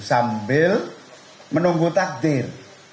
sambil menunggu takdir